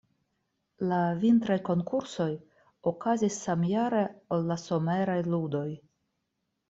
La vintraj konkursoj okazis samjare ol la someraj ludoj.